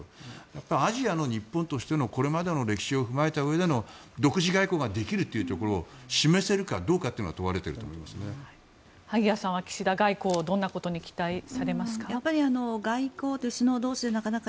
やっぱりアジアの日本としてのこれまでの歴史を踏まえたうえでの独自外交をできるというのを示せるかが問われていると萩谷さんはどのようなことを期待されますか。